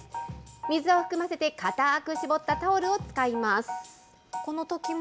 水を含ませてかたく絞ったタオルを使います。